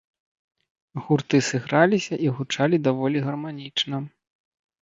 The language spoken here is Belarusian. Гурты сыграліся і гучалі даволі гарманічна.